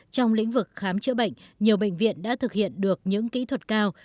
trong lĩnh vực khám chữa bệnh nhiều bệnh viện đã thực hiện được những kỹ thuật cao